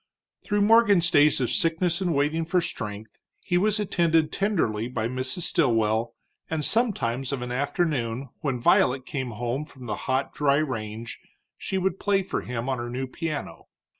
Through Morgan's days of sickness and waiting for strength, he was attended tenderly by Mrs. Stilwell, and sometimes of an afternoon, when Violet came in from the hot, dry range, she would play for him on her new piano.